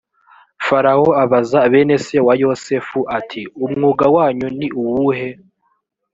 farawo abaza bene se wa yosefu ati “umwuga wanyu ni uwuhe?”